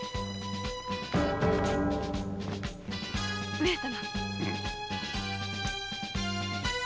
上様。